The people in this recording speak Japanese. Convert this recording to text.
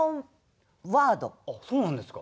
あっそうなんですか？